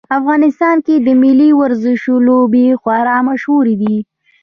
افغانستان کې د ملي ورزشونو لوبې خورا مشهورې دي